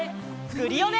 クリオネ！